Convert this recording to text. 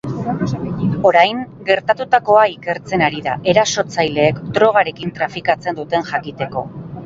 Orain, gertatutakoa ikertzen ari da, erasotzaileek drogarekin trafikatzen duten jakiteko.